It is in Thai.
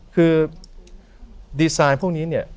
คือดีไซน์พวกนี้เนี่ย